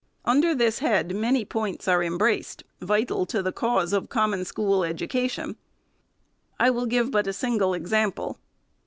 Under this head, many points FIRST ANNUAL REPORT. 399 are embraced, vital to the cause of Common School edu cation. I will give but a single example.